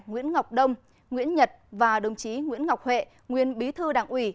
nguyễn ngọc đông nguyễn nhật và đồng chí nguyễn ngọc huệ nguyên bí thư đảng ủy